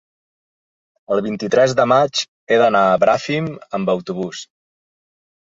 el vint-i-tres de maig he d'anar a Bràfim amb autobús.